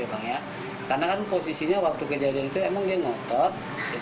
karena kan posisinya waktu kejadian itu emang dia ngotot